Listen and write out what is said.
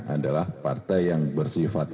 adalah partai yang bersifat